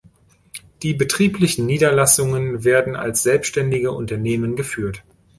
Die betrieblichen Niederlassungen werden als selbstständige Unternehmen geführt.